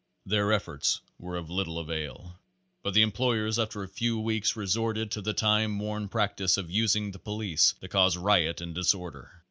Their efforts were of little avail, but the employers after a few weeks resorted to the time worn practice of using the police to cause riot and disorder.